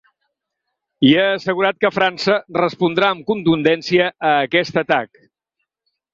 I ha assegurat que França respondrà amb contundència a aquest atac.